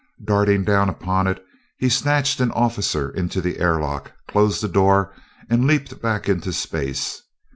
Darting down upon it, he snatched an officer into the airlock, closed the door, and leaped back into space.